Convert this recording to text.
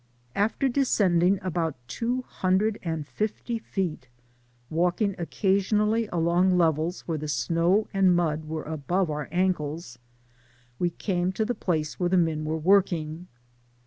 After descending about two hundred and fifty feet, walking occasionally along levels where the snow and mud were above our ancles, we came to the place where the men were working.